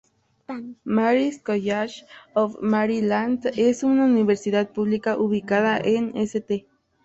Mary’s College of Maryland es una universidad pública ubicada en St.